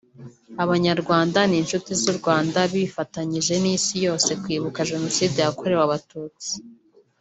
Abanyarwanda n’inshuti z’u Rwanda bifatanyije n’isi yose Kwibuka Jenoside yakorewe Abatutsi